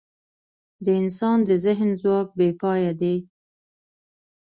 د انسان د ذهن ځواک بېپایه دی.